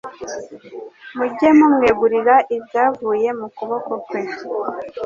Mujye mumwegurira ibyavuye mu kuboko kwe